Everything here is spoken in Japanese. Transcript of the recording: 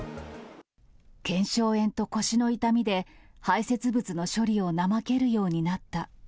けんしょう炎と腰の痛みで、排せつ物の処理を怠けるようになった。